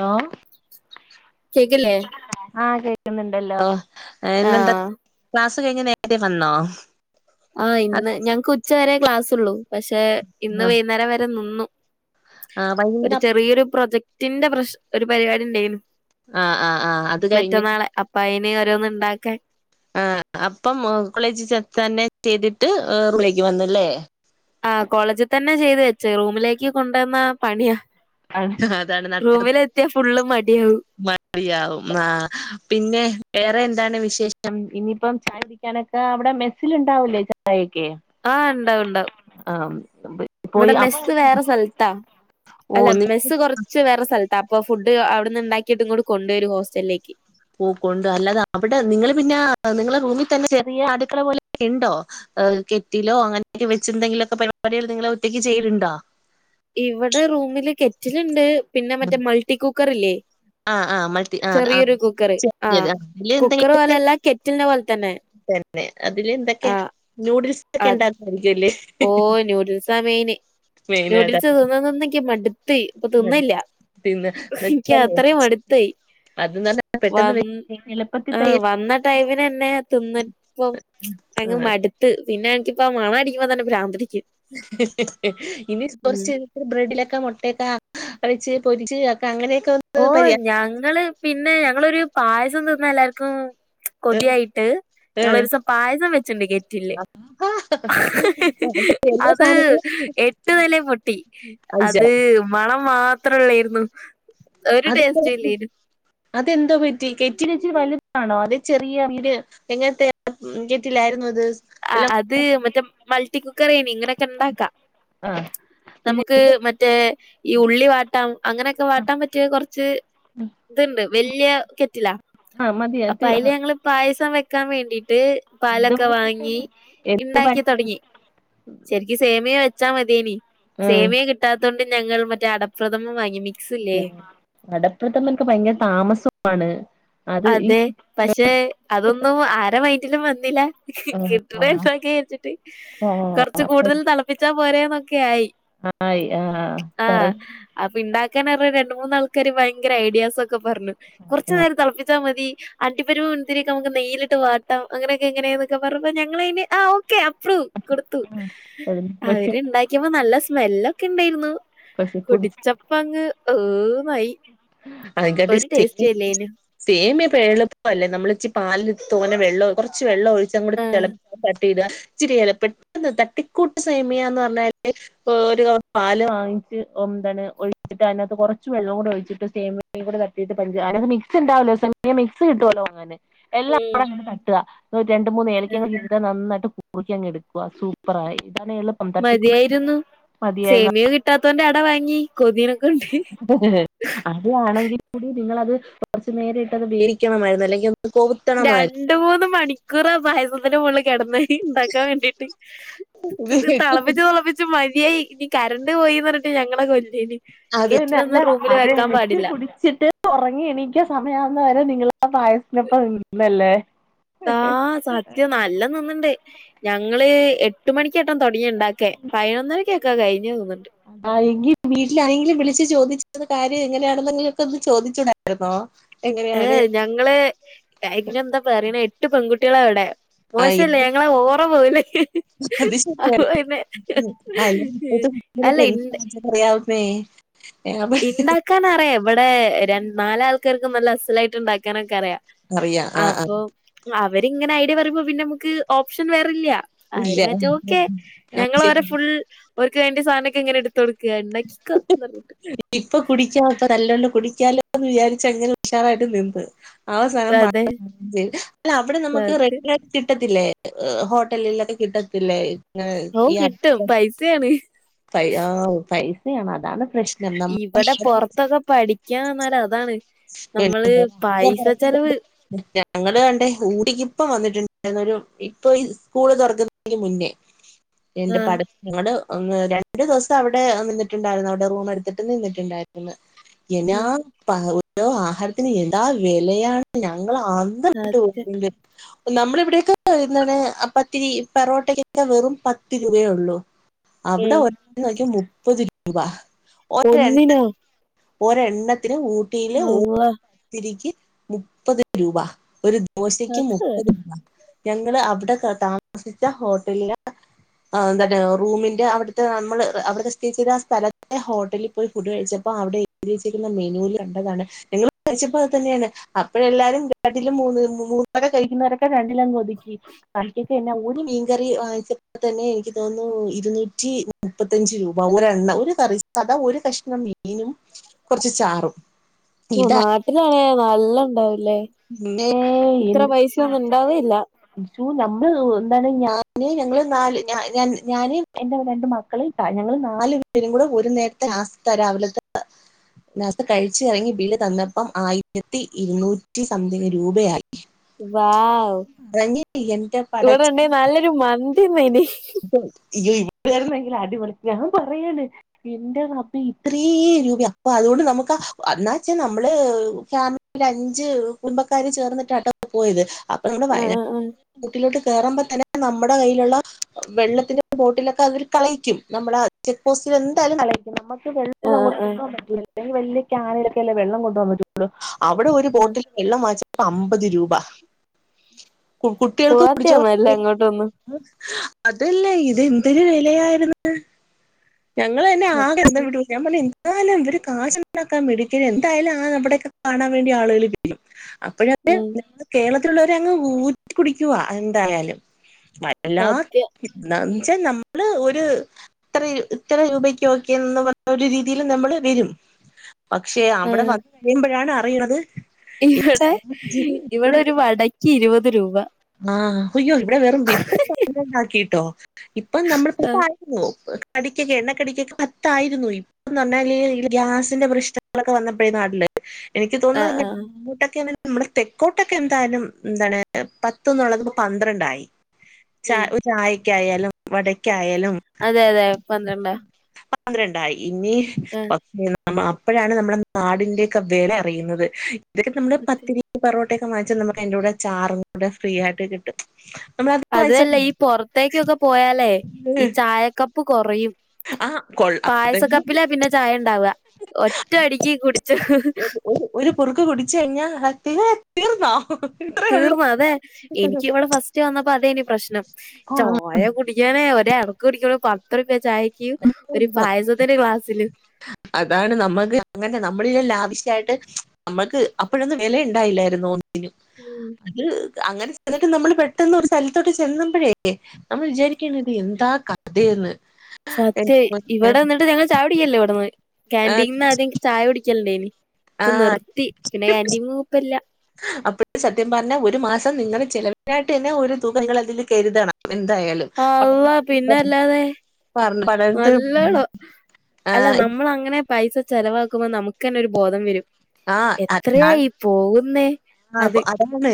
Law കേക്കില്ലേ ആഹ് കേക്കുന്നുണ്ടല്ലോ ഇന്നെന്താ ആഹ് ക്ലാസ്സ് കഴിഞ്ഞ് നേരെ വന്നോ ആഹ് ഇന്ന് ഞങ്ങ്ക്ക് ഉച്ച വരെ ക്ലാസ്ള്ളു പക്ഷെ ഇന്ന് വൈന്നേരം വരെ നിന്നു ആഹ് ഒരു വൈകുന്നേരം ചെറിയൊരു പ്രൊജക്ടിന്റെ പ്രശ് ഒരു പരിപാടി ഇണ്ടേയ്നു ആഹ് ആഹ് ആഹ് അത് കഴിഞ്ഞ് മറ്റന്നാളെ അപ്പ അയിന് ഓരോന്ന് ഇണ്ടാക്കാൻ ആഹ് അപ്പം കോളേജ് ചെർത്താനായ്ട്ട് ഇതിട്ട് റൂമിലേക്ക് വന്നല്ലേ ആഹ് കോളേജ് തന്നെ ചെയ്ത് വെച്ച് റൂമിലേക്ക് കൊണ്ടെന്ന പണിയാ അതാണ് റൂമില എത്തിയാ ഫുള്ള് മടിയാവും മടിയാകും ആഹ് പിന്നെ വേറെ എന്താണ് വിശേഷം ഇനിയിപ്പം ചായുടി ക്കാനക്കെ അവ്ടെ മെസ്സില് ഇണ്ടാവൂലേ ചായൊക്കെ ആഹ് ഇണ്ടാവും ഇണ്ടാവും ആഹ് ഇവടെ പോയി അപ്പൊ മെസ്സ് വേറെ സ്ഥൽത്താ ഓ അല്ല നീ മെസ്സ് കൊറച്ച് വേറെ സ്ഥൽത്ത് ത്താ അപ്പൊ ഫുഡ് അവ്ട്ന്ന് ഉണ്ടാക്കിയിട്ട് ഇങ്ങോട്ട് കൊണ്ടുവരും ഹോസ്റ്റൽലേക്ക് ഓ കൊണ്ട് അല്ലാതാ അവിടെ നിങ്ങള് പിന്നെ നിങ്ങളെ റൂമിത്തന്നെ ചെറിയ അടുക്കള പോലെ ഇണ്ടോ കെറ്റിലോ അങ്ങനെയൊക്കെ വെച്ച് എന്തെങ്കിലൊക്കെ പരിപാടികള് നിങ്ങള് ഒറ്റയ്ക്ക് ചെയ്യല്ണ്ടോ ഇവടെ റൂമില് കെറ്റില്ണ്ട് പിന്നെ മറ്റേ മൾട്ടി കുക്കറ്ല്ലേ ആഹ് ആഹ് മൾട്ടി ആഹ് ആഹ് ചെറിയൊരു കുക്കറ് ചെറിയത് ആഹ് അതില് എന്തെങ്കിലും കുക്കറ് പോലെയല്ല കെറ്റിൽനെ പോലെ തന്നെ വെ അതില് എന്തൊക്കെ ആഹ് നൂഡിൽസ് ക്കെ അത് ഇണ്ടാക്കായ്രിക്കൊല്ലേ ഓഹ് നൂഡിൽസാ മെയിന് മെയിനായ്ട്ട് നൂഡിൽസ് തിന്ന് തിന്നൊക്കെ മട് [unintelligible] എനിക്ക് അത്രയും മടുത്തായി അത് ന്നാലെ പെട്ടെന്ന് വേ വന്ന് എള്പ്പത്തി ത്യ ആഹ് വന്ന ടൈമിനെന്നെ [unintelligible] ആഹ് ത്ത് പിന്നെ ഇൻക്കിപ്പം മണഅടിക്കുമ്പോ തന്നെ പ്രാന്ത് പിടിക്കും ഇനിസ് കൊർച്ച് ബ്രെഡിലൊക്കെ മുട്ടയൊക്കെ ഒഴിച്ച് പൊരിച്ച് അക്കെ അങ്ങനെയൊക്കെ ഒന്ന് ഓഹ് പരി ഞങ്ങള് പിന്നെ ഞങ്ങളൊര് പായസം തിന്നാ എല്ലാര്ക്കും കൊതിയായിട്ട് ഞങ്ങളൊരുസം പായസം വെച്ചിണ്ട് കെറ്റില്ല് എല്ലാ അത് സാധനങ്ങളും എ ട്ട്ന്നെലേ പൊട്ടി അയച്ചരാ അത് മണം മാത്രള്ളേയിരുന്നു. [unintelligible] പറ്റി അതെന്തോ പറ്റി കെറ്റിനച്ചി വലുതാണോ അതെ ചെറിയ വീര് എങ്ങനത്തെ ഉം കെറ്റിലായിരുന്നു അത്? ആ എല്ലാം അത് മറ്റേ മൾട്ടി കുക്കറേനി ഇങ്ങനെയക്കെ ഇണ്ടാക്കാ. ആഹ് പിന്നെ നമുക്ക് മറ്റേ ഈ ഉള്ളി വാട്ടാം അങ്ങനെയക്കെ വാട്ടാൻ പറ്റിയ കൊറച്ച് ഇത്ണ്ട് വല്യ കെറ്റിലാ ആ മതിയേ അപ്പൊ അയില് [unintelligible] ഞങ്ങള് പായസം വെക്കാൻ വേണ്ടിട്ട് എന്ത് പാലൊക്കെ വാങ്ങി എന്ത് ഇണ്ടാക്കി പഴസാ തൊടങ്ങി. ശെരിക്ക് സേമിയെ വെച്ചാ മതിയേനി ഉം സേമിയെ കി ട്ടാത്തൊണ്ട് ഞങ്ങൾ മറ്റേ അടപ്രഥമം വാങ്ങി മി ഉം അടപ്രഥമൻക്ക് ഭയങ്കര താമസമാണ്. അത് ഈ അതെ പക്ഷെ അതൊന്നും ആര മൈന്റിലും വന്നില്ല. കിട്ട്ണെ ഇണ്ടാക്കി വെച്ച്ട്ട് കർച്ച് കൂടുതൽ തളപ്പിച്ചാൽ പോരേന്നൊക്കേയായി. ആയി ആഹ് കറ അപ്പ ഇണ്ടാക്കാനറീണ രണ്ട് മൂന്നാൾക്കാര് ഭയങ്കര ഐഡിയാസൊക്കെ പർഞ്ഞു കൊറച്ച് നേരം തളപ്പിച്ചാ മതി. അണ്ടിപ്പരിപ്പ്, മുന്തിരിക്കെ നമുക്ക് നെയ്യിലിട്ട് വാട്ടാം അങ്ങനെയക്കെ ഇങ്ങനേന്നൊക്കെ പറഞ്ഞപ്പോ ഞങ്ങളയ്ന് ആ ഓക്കെ അപ്പ്റൂ. കൊടുത്തു ആഹ് പക്ഷെ അവര് ഇണ്ടാക്കിയപ്പം നല്ല സ്മെല്ലൊക്കെണ്ടായിരുന്നു. പക്ഷെ കുടിച്ച് കുടിച്ചപ്പങ്ങ് ഓഹ് ന്നായി. ഭയങ്കര [unintelligible] സേമിയപ്പോ എളുപ്പല്ലേ നമ്മളച്ചി പാലിൽ തോനെ വെള്ളം കൊറച്ച് വെള്ളം ഒഴിച്ച് അങ്ങോട് തെള ആഹ്. തെ [unintelligible] പെട്ടെന്ന് തട്ടിക്കൂട്ട് സേമിയാന്നറഞ്ഞാല് ഓരോ പാല് വാങ്ങിച്ച് ഒം ന്താണ് ഒഴിച്ചിട്ട് അതിനകത്ത് കൊറച്ച് വെള്ളവും ഒഴിച്ചിട്ട് സേമി കൂടി തട്ടീട്ട് പഞ്ചാര മിക്സ്ണ്ടാവല്ലോ സേമിയ മിക്സ് കിട്ടോല്ലോ അങ്ങനെ എല്ലാം ഉം. [unintelligible] തട്ട ഒര് രണ്ട്, മൂന്ന് ഏലക്കെം ട്ട് നന്നായിട്ട് കുറുക്കി അങ്ങ് എടുക്ക സൂപ്പറായി ഇതാണെള് മതിയായിരുന്നു സേമിയേ കിട്ടാത്തോന്റെ അട വാങ്ങി കൊതിനൊ ആഹ് അത് ആണെങ്കിൽ കൂടി നിങ്ങളത് കൊറച്ച് നേരട്ടത് വേവിക്കണമായിരുന്നു അല്ലെങ്കിൽ [unintelligible] കോവ് രണ്ട്, മൂന്ന് മണിക്കൂറാ പായസത്തിന്റെ മോളി കടന്ന്. ടി ഇണ്ടാക്കാൻ വേണ്ടിട്ട് ഇത് തളപ്പിച്ച് തളപ്പി ച്ച് മതിയായി ഇനി കറണ്ട് പോയീ പറഞ്ഞിട്ട് ഞങ്ങളെ കൊല്ലേന്. അത് നല്ല കെറ്റിലൊന്നും റൂമിൽ അത് വെക്കാൻ എട്ത്ത് പാടില്ല കുടിച്ചിട്ട് ഒറങ്ങി എണീക്കാ സമയാവുന്ന വരെ നിങ്ങളാ പായസനൊപ്പം നിന്നല്ലേ? ആ സത്യം നല്ല നിന്ന്ണ്ട്. ഞങ്ങള് എട്ട് മണിക്കേട്ടം തൊടങ്ങി ഇണ്ടാക്കേ പയന്നൊരക്കൊക്കാ കഴിഞ്ഞൂ നിന്ന്ട്ട്. ആ എങ്കി വീട്ടിലാരെങ്കിലും വിളിച്ചു ചോദിച്ചിരുന്ന കാര്യം എങ്ങനെയാണെന്നെങ്കിലൊക്കന്ന് ചോദിച്ചൂടായിരുന്നോ? ഏ എങ്ങനെയാണ് ഞങ്ങള് എങ്ങെന്താ പറയ്ണ് എട്ട് പെൺകുട്ടികളാ വടെ. ആ മോശല്ലേ എന്ത് ഞങ്ങളെ ഓവ്റ പോവ് ലേ അത് അപ്പൊ ശരിയാണ് പിന്നെ അല്ല ഇണ്ട് [unintelligible] എന്തറിയാവുന്നേ ഇണ്ടാക്കാനറിയാം ഇവ്ടെ രൻ നാലാൾക്കാർക്കും നല്ല അസ്സലായിട്ട് ഇണ്ടാക്കാനൊക്കറിയാം. അറിയാം ആ ആ അപ്പൊ അവരിങ്ങനെ ഐഡിയ പറയുമ്പോ പിന്നെ നമുക്ക് ഓപ്ഷൻ വേറെല്ല. ഇല്ല അവര് മറ്റും ഓക്കെ ആ, ശരി. ഞങ്ങളവരെ ഫുൾ ഓർക്ക് വേണ്ട സാധനൊക്കെ ങ്ങനെ എടുത്ത് കൊടുക്ക ണ്ടാക്കിക്കൊ ന്ന്റഞ്ഞിട്ട് ഇപ്പൊ കുടിക്കാ ഇപ്പ നല്ലോണം കുടിക്കാലോന്ന് വിചാരിച്ചങ്ങനെ ഉഷാറായിട്ട് നിന്ന് ആവസാനം പ അതെ [unintelligible] അല്ല അവിടെ നമുക്ക് സത്യം റെഡിയായി കിട്ടത്തില്ലേ ഏഹ് ഹോട്ടലിലൊക്കെ കിട്ടത്തില്ലേ? ഓഹ് കിട്ടും പൈസേണ് പൈ ആഹ് പൈസയാണ് അതാണ് പ്രശ് ഇവടെ പൊറത്തൊക്കെ പഠിക്കാൻ ന്നാല് അതാണ് നമ്മള് ളോ മൊ പൈസ മൊ ചെലവ് മുന്ന ഞങ്ങള് കണ്ടേ ഊട്ടിക്കിപ്പം വന്നിട്ടുണ്ടായിരുന്നു ഒരു ഇപ്പൊ ഈ സ്കൂള് തൊറക്കുന്നേന് മുന്നേ എന്റെ ആഹ് പട് ങ്ങട് ഒന്ന് രണ്ടു ദിവസം അവ്ടെ നിന്നിട്ടുണ്ടായിരുന്നു അവ്ടെ റൂമെടുത്തിട്ട് നിന്നിട്ടുണ്ടായിരുന്നു. യെനാ ഉം പ ഉൻ്റോ ആഹാരത്തിന് യന്താ വെലയാണ് ഞങ്ങളാൺ ന്തം വിട്ട് അതെ ഒക്കൂലേ നമ്മള ഇവിടെയൊക്കെ എന്താണ് ആഹ് പത്തിരി പെറോട്ടക്കൊക്കെ വെറും പത്ത് രൂപയേ ഉള്ളൂ അവിടെ ഉം ഒരണ്ണം നോക്കാ മുപ്പത് രൂപ ഒന്നിനോ ഒരെണ്ണത്തിന് ഊട്ടിയില് ഊ അള്ളാ പത്തിരിക്ക് മുപ്പത് രൂപ ഒരു ദോശക്ക് അത് മുപ്പത് കാര്യം രൂപ ഞങ്ങള് അവിടെ താമസിച്ച ഹോട്ടലില് ആഹ് എന്താണ് റൂമിന്റെ അവിടുത്തെ നമ്മൾ അവിടുത്തെ സ്റ്റേ ചെയ്ത ആഹ് സ്ഥലത്തെ ഹോട്ടല് പോയി ഫുഡ് കഴിച്ചപ്പോ അവിടെ എഴുതിവെച്ചിരിക്കുന്ന മെനുൽ കണ്ടതാണ് നങ്ങൾ കഴിച്ചപ്പോ അത് തന്നെയാണ് അപ്പഴെല്ലാരും രണ്ടിലും മൂന്ന് മൂന്ന് വരെ കഴിക്കുന്നവരൊക്കെ രണ്ടിലങ്ങ് ഒതുക്കി കറിക്കക്കെന്നെ ഒരു മീൻ കറി വാങ്ങിച്ച പ്പ തന്നെ എനിക്ക് തോന്നുന്നു ഇരുന്നൂറ്റി മുപ്പത്തഞ്ച് രൂപ ഒരണ്ണം ഒരു കറി സദാ ഒരു കഷ്ണം മീനും കൊറച്ച് ചാറും ഓഹ് ഇതാ നാട്ടിലാണേ നല്ല ഇണ്ടാവുലേ ഏ ഇത്ര പൈസൊന്നും ഇണ്ടാവേല്ല അയ്യോ നമ്മള് എന്താണ് ഞാന് ഞങ്ങള് നാല് ഞാന് എന്റെ രണ്ട് മക്ക ക്കളും ഞങ്ങൾ നാല് പേരും കൂടെ ഒരു നേരത്തെ നാസ്ഥ രാവിലത്തെ നാസ്ത കഴിച്ച് ഇറങ്ങി ബില്ല് തന്നപ്പം ആയിരത്തി ഇരുന്നൂറ്റി സംതിങ്ങ് രൂപയായി [inaudible] വാവു പറഞ്ഞയ്യ് എന്റെ പടച്ചോ മന്തിന്നേനി [unintelligible] വേറെന്തെങ്കിലും അടിപൊളി ഞാൻ പറയാണ് എന്റെ റബ്ബേ ഇത്രയും രൂപയാ അപ്പൊ അതുകൊണ്ട് നമുക്ക് എന്നാ വച്ചാ നമ്മള് ഫാമിലിൽ അഞ്ചു കുടുംബക്കാർ ചേർന്നിട്ടാട്ടോ പോയത് അപ്പ നമ്മ ആഹ് വയനാട് ആഹ് കൂട്ടിലോട്ട് കേയറുമ്പോ തന്ന നമ്മുടെ കയ്യിലുള്ള വെള്ളത്തിന്റെ ബോട്ടിലൊക്കെ അവര് കളയിക്കും നമ്മളാ ചെക്ക് പോസ്റ്റിൽ എന്തായാലും കളയും നമ്മക്ക് വെള്ളം ആഹ് ആഹ് അങ്ങോട്ട് കൊണ്ടു ആഹ് പോവാൻ പറ്റില്ല അല്ലെങ്കി വലിയ കാനിലൊക്കെല്ല വെള്ളം കൊണ്ട് പോവാൻ പറ്റോള്ളൂ അവിടെ ഒരു ഒരു ആഹ് ബോട്ടിലിൽ വെള്ളം വാങ്ങി ച്ചപ്പോ അമ്പത് രൂപ കു കുട്ടികൾക്ക് കുടിച്ചോ പോവാത്തെയാന്നല്ല അങ്ങോട്ടൊന്നും അതല്ലേ ഇതെന്തൊരു വിലയായിരുന്നു ഞങ്ങള് തന്നെ ആകെ അന്തം സത്യം വിട്ടു ഞാൻ പറഞ്ഞു എന്നാലും ഇവര് കാശ് ഉണ്ടാക്കൻ മിടുക്കരാ എന്തായാലും ആഹ് അവിടെയൊക്കെ കാണാൻ വേണ്ടി ആളുകൾ വരും യും അപ്പോഴത് ഉം കേരളത്തിലുള്ളവരെ അങ്ങ് ഊറ്റി കുടിക്കുവാ എന്തായാലും വല്ലാ സത്യം ന്താന്ന് വെച്ചാൽ നമ്മള് ഒരു ഇത്ര ഇത്ര രൂപയ്ക്ക് ഒക്കെന്ന്പറഞ്ഞ ഒരു രീതിയില് നമ്മള് വരും പക്ഷെ അവിടെ ആഹ് വർക്ക്‌ ചെയ്യുമ്പോഴാണ് അറിയണത് ഇവിടെ ഇവിടെ നമ്മള് ഒരു വടയ്ക്ക് ഇരുപത് രൂപ ആഹ് യ്യോ ഇവിടെ വെറും ഇപ്പൊണ്ടാക്കിട്ടോ ഇപ്പൊ നമ്മള [unintelligible] ആഹ് പ്പായിരുന്നു കടിക്കൊക്കെ എണ്ണക്കടിക്കൊക്കെ പത്തായിരുന്നു ന്ന് പറഞ്ഞാല് ഈ ഗ്യാസിന്റെ പ്രശ്നങ്ങളൊക്കെ വന്നപ്പോഴേ നാട്ടി ല് എനിക്ക് തോന്നുന്നു ആഹ് ഇങ്ങനെ ആഹ് അങ്ങോട്ടൊക്കെ നമ്മള് തെക്കോട്ടൊക്കെ എന്തായാലും എന്താണ് പത്ത് പത്ത്ന്നുള്ളത് പന്ത്രണ്ടായി ച ഉം ഒരു ചായക്കയാലും വടയ്ക്കായാലും അതെ അതെ പന്ത്രണ്ട്രാ പന്ത്രണ്ടായി ഇനി പക്ഷേ അപ്പോഴാണ് നമ്മുടെ നാടിന്റെക്കെ വില അറിയുന്നത് ഇതൊക്കെ നമ്മള് സത്യം പത്തിരി ഈ പൊറോട്ടയൊക്കെ വാങ്ങിച്ച നമ്മക്ക് അതിന്റെ കൂടെ ചാറ് കൂടെ ഫ്രീ ആയിട്ട് കിട്ടും നമ്മളത് വാങ്ങിച്ച അതുഅല്ല ഈ പുറത്തേക്കൊക്കെ പോയാലേ ഈ ചായക്കപ്പ് കുറയും ആ കൊള്ള പായസ കപ്പിലാ പിന്നെ ചായ ഉണ്ടാവ ഒറ്റ അടിക്ക് കുടിച്ചു ഒരു ഒരു ഒരു കുറുക്ക് കുടിച് കഴിഞ്ഞാൽ അ തിനെ തീർന്നോ ഇത്രേ ഉള്ളൂ തീർന്ന് അതെ എനിക്ക് ഇവിടെ ഫസ്റ്റ് റ്റ് വന്നപ്പോ അതേനി പ്രശ്നം. ചായ കുടിക്കാനേ മറ്റെ ഒര് ഇറക്ക് കുടിക്കുമ്പോ പത്ത്റുപിയ ചായ ഒരു പായസത്തിന്റെ ഗ്ലാസ്സില് അതാണ് നമ്മക്ക് അങ്ങനെ നമ്മളല്ലാം ലാവിശ്യായിട്ട് നമ്മൾക്ക് അപ്പോഴൊന്നും വില ഉണ്ടായില്ലായിരുന്നു ഒന്നിനും ഉം അത് അങ്ങനെ ചെന്നിട്ട് നമ്മൾ പെട്ടെന്ന് ഒരു സ്ഥലത്തോട്ട് ചെന്നമ്പോഴേ നമ്മൾ വിചാരിക്കണ ഇത് എന്താ കഥയന്ന് സത്യം. ഇവിടെ നിന്നിട്ട് ഞങ്ങൾ ചായാ കുടിക്കില്ല ഇവിടെന്ന് ഏ കാന്റീനിന്ന് ആദ്യം ചായ കുടിക്കലുണ്ടേനി ഇപ്പൊ ആഹ് നിർത്തി പിന്നെ കാന്റിനുംലുംഇപ്പോല്ല അപ്പോഴ് സത്യം പറഞ്ഞ ഒരു മാസം നിങ്ങൾ ചെലവിനായിട്ട് തന്നെ ഒരു തുകങ്ങൾ നിങ്ങൾ അതിൽ കരുതണം എന്തായാലും അല്ലാഹ് പിന്നെ അല്ലാതെ പഠന പഠനത്തി നല്ലോണം അല്ല ആഹ് നമ്മൾ അങ്ങനെ പൈസ ചെലവാക്കുമ്പോൾ നമുക്ക് തന്നെ ഒരു ബോധം വരും ആഹ് അതാണ് എത്രയായി പോകുന്നേ ആഹ് അത് അതാണ്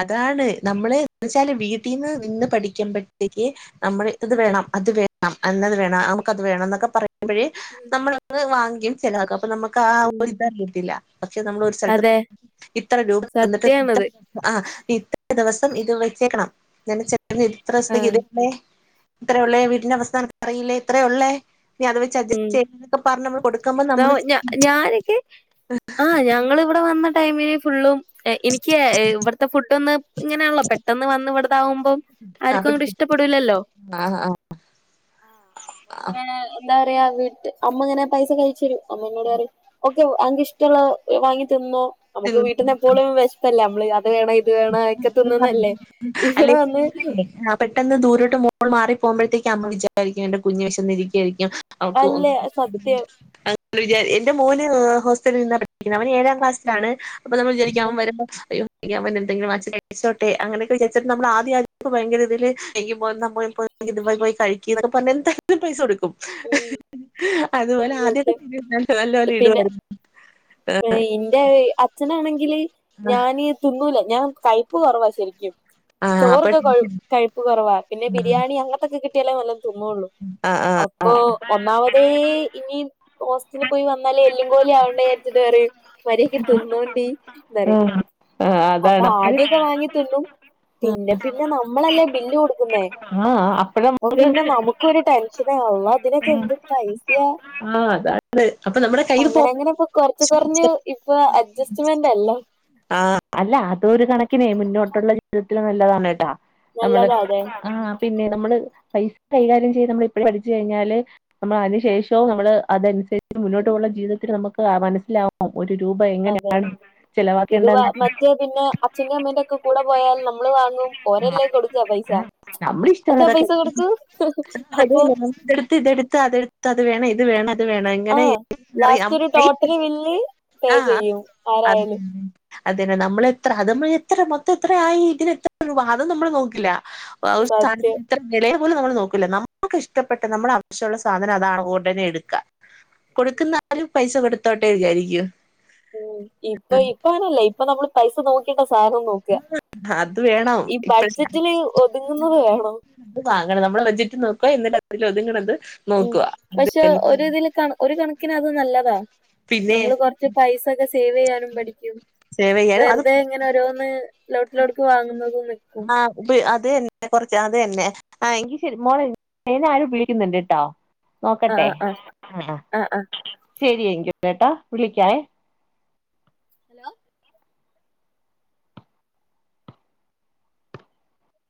അതാണ് നമ്മള് എന്ന് വെച്ചാല് വീട്ടിൽന്ന് നിന്ന് പഠിക്ക്മ്പോഴത്തേക്ക് നമ്മൾ ഇത് വേണം, അത് വേണം എന്നത് വേണം നമുക്ക്ത് വേണം എന്നൊക്കെ പറയുമ്പോഴേ നമ്മൾന്ന് വാങ്ങിക്കും ചിലവാക്കും അപ്പൊ നമ്മക്ക് ആ ഉം ഒര് ഇതറിഞ്ഞിട്ടില്ല പക്ഷെ നമ്മൾ ഒരു സ്ഥലത്ത് അതെ പോകു ഇത്ര രൂപന്നിട്ട് സത്യാണത് ആഹ് ഇത്ര ദിവസം ഇത് വെച്ചേക്കണം ച ഇത്ര ദിവസത്തേക്ക് ആഹ് ഇതല്ലേ ഇത്രയ ഉള്ളേ വീടിന്റെ അവസ്ഥ നിനക്ക് അറിയില്ലേ ഇത്രയ ഉള്ളേ ഇനി അത് വെച്ച് ഉം അഡ്ജസ്റ്റ് ചെയ്യണംന്നോക്കെ പറഞ് നമ്മള് കൊടുക്കുമ്പോ നമ്മ ആരൊക്കെ ആഹ് ഞങ്ങള് ഇവിടെ വന്ന ടൈമിന് ഫുള്ളും എനിക്ക് ഇവിടുത്തെ ഫുഡോന്ന് ഇങ്ങനെയള്ളോ പെട്ടെന്ന് വന്ന് ഇവിടതാവുമ്പം ആർക്കും അങ്ങോട്ട് ഇഷ്ടപ്പെടൂല്ലല്ലോ ആഹ് ആഹ് ആ അപ്പോ അങ്ങന ആഹ് എന്താ പറയാ വീട്ട് അമ്മ ഇങ്ങനെ പൈസ ഒക്കെ അയച്ച്തരും അമ്മ എന്നോട് പറയും ഓക്കെ അനക്ക് ഇഷ്ട്ടള്ളത് വാങ്ങി തിന്നോ നമുക്ക് വീട്ടിനെപ്പോഴും വിശപ്പല്ലേ നമ്മള് അത് വേണം ഇത് വേണം ഒക്കെ തിന്നുന്നല്ലേ ഇവടെ അല്ലെങ്കി വന്ന് മോളെ ആഹ് പെട്ടെന്ന് ദൂരോട്ട് മോൾ മാറി പോകുമ്പഴേക്ക് അമ്മ വിചാരിക്കും എന്റെ കുഞ് വിശന്നിരിക്കയായിരിക്കും അവക്ക് ഒന്നും അല്ലേ സത്യം [unintelligible] മ്മള് വിജാ എന്റെ മോന് ഹോസ്റ്റലിൽ നിന്നാണ് പഠിക്കുന്നത് അവന് ഏഴാം ക്ലാസ്സിലാണ്. അപ്പൊ നമ്മള് വിജാരിക്ക്യും അവൻ ഉം വരുമ്പൊ അയ്യോ. പിക്ക്യാൻ വരുന്നുണ്ടെങ്കി വാങ്ങിച്ച് കഴിപ്പിച്ചോട്ടെ അങ്ങനെയൊക്കെ വിജാര്ച്ചാണ്ട് നമ്മള് ആദ്യ ആ ഇപ്പ ഭയങ്കര ഇതില് എങ്കി മോനും നമ്മ ഇപ്പൊ. ങ്കി ഇതുമായ് പോയി കഴിക്കിന്നൊക്കെ പർഞ് എന്തങ്കിലും പൈസ കൊടുക്കും. അതുപോലെ ആദ്യത്തെെ സത്യം [unintelligible] നല്ലപോലെ ഇടുവായിരുന്നു ആ. ൻ്റെ അച്ഛനാണെങ്കില് ഞാന് തിന്നൂല ഞാൻ കയപ്പ് കുറവാ ശരിക്കും. ആ അപ്പൊ ചോറൊക്കെ കൊഴ് ടെൻഷൻ കഴിപ്പ് കൊറവാ പിന്നെ ബിരിയാണി അങ്ങൻത്തൊക്കെ കിട്ടിയാലേ നല്ലോം തിന്നൊള്ളൂ. ആ ആ അപ്പൊ ഒന്നാമതേ ഇനി ഹോസ് ലി പോയി വന്നാലേ എല്ലും കോലു ആവണ്ട വിജാര്ച്ച്ത് പറയും മര്യാക്ക് തിന്നോണ്ടി എന്താ പറ. ഉം ആ അതാണ് അപ്പഴ് അപ്പാദ്യൊക്കെ വാങ്ങിതിന്നും പിന്നെ പിന്നെ നമ്മളല്ലേ ബില്ല് കൊടുക്കുന്നേ. ആഹ് അപ്പഴം. അപ്പൊ പിന്നെ നമുക്കൊരു ടെൻഷനാള്ള ഇതിനൊക്കെ എന്ത് പൈസയാ. ആഹ് അതാ. അത് അപ്പൊ നമ്മുടെ കയ്യിൽ ഫോ അങ്ങനെ അങ്ങനെ ഇപ്പൊ കൊറച്ച് ച്ച് കൊറഞ്ഞ് സ ഇപ്പൊ അഡ്ജസ്റ്റ്മെന്റ് അല്ലേ ആഹ്. അല്ല അതൊരു കണക്കിനെ മുന്നോട്ടുള്ള ജീവിതത്തില് നല്ലതാണ് കേട്ടാ നമ്മള് നല്ലതാ അതെ ആ. പിന്നെ നമ്മള് പൈസ കൈകാര്യം ചെയ്ത് നമ്മള് ഇപ്പഴേ പഠിച്ചു കഴിഞ്ഞാല്. നമ്മള് അതിനു ശേഷവും നമ്മള് അതൻസരിച്ച് മുന്നോട്ട് പോവുള്ള ജീവിതത്തില് നമക്ക് അ മനസ്സിലാവു. അതെ ഇത് വ ചെലവാക്കേണ്ടെന്ന് മറ്റേ പിന്നെ അച്ഛൻ്റെ അമ്മേൻ്റൊക്കം. കൂടെ പോയാൽ നമ്മള് വാങ്ങും ഓരെല്ലേ കൊടുക്കുക പൈസ. അച്ഛാ നമ്മളിഷ്ടള്ളതൊക്കെ പൈസ കൊടുക്കൂ [unintelligible] അപ്പൊ അതെടുത്ത് ഇതെട്ത്ത് അതെട് ത്തത് വേണം ഇത് വേണം അത് വേണയ്. ങ്ങനെ ഇ ആഹ് അറിയാം ലാസ്റ്റ് ഒരു ടോട്ടൽ എയ്സ് ബില്ല് പേ ആഹ് ചെയ്യും അ ആരായാലും അതന്നെ നമ്മളെത്ര അതമ്മ എത്ര മൊത്തം എത്ര ആയി ഇതിന് എത്ര രൂപ അതും നമ്മള് നോക്കില്ല. [unintelligible] സ്താ സത്യം ത്ര വെലയെ പോലും നമ്മള് നോക്കൂല്ല നമ്മക്ക് ഇഷ്ടപ്പെട്ട നമ്മളാവശ്യള്ള സാധനം അതാണ് ഉടനെ എടുക്ക. കൊടുക്കുന്നാലും പൈസ കൊടുത്തോട്ടെ വിജാരിക്കും. ഉം ഇപ്പ ഇപ്പ അങ്ങനല്ലേ ഇപ്പൊ നമ്മള് പൈസ നോക്കിയിട്ട സാധനം നോ ക്ക അത് വേണം ഈ ബഡ്ജറ്റില് ഒതുങ്ങുന്നത് വേണം. ഇത് വാങ്ങണം നമ്മള് ബഡ്ജറ്റ് നോക്കാ എന്നിട്ട് അതിൽ ഒതുങ്ങ്ണത്. ഉം പക്ഷെ ഒര് ഇതില് കൺ ഒരു കണക്കിന് അത് നല്ലതാ പിന്നെ നമ്മള് കൊറച്ച്. പൈസൊക്കെ സേവെയ്യാനും പഠിക്കും സേവ് ചെയ്യാനും അത് വെർതെ ഇങ്ങനെ ഓരോന്ന്. ലോട്ടിലോട്ക്ക് വാങ്ങുന്നതൊന്നെ. ആഹ്. പ്പ് അത് തന്നെ കൊറച്ച് അത് തന്നെ ആ എങ്കിശരി മോളെ ആരോ വിളിക്കുന്നുണ്ട് ട്ടോ. നോക്കട്ടെ ആഹ് ആഹ് ആഹ് ശരി എങ്കിട്ടെട്ടോ വിളിക്കാവേ. ഹലോ.